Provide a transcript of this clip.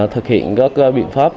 thực hiện các biện pháp